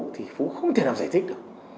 thì phú không thể nào giải thích được